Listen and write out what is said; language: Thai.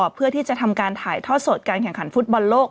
เพื่อที่จะทำการถ่ายทอดสดการแข่งขันฟุตบอลโลก